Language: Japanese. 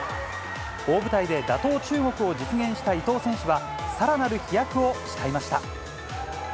大舞台で妥当中国を実現した伊藤選手は、さらなる飛躍を誓いまし